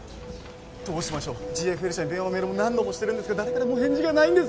どうしましょうＧＦＬ社に電話もメールも何度もしてるんですけど誰からも返事がないんです